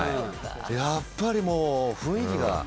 やっぱり雰囲気が。